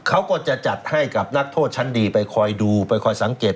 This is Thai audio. เขาก็จะจัดให้กับนักโทษชั้นดีไปคอยดูไปคอยสังเกต